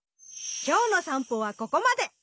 今日の散歩はここまで！